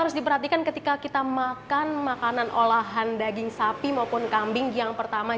harus diperhatikan ketika kita makan makanan olahan daging sapi maupun kambing yang pertama